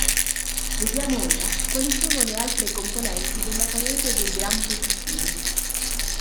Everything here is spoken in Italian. Vediamo ora quali sono le altre componenti della parete dei gram-positivi.